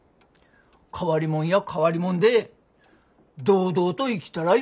変わりもんや変わりもんで堂々と生きたらよか。